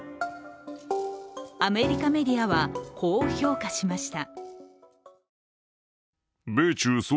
アメリカメディアはこう評価しました。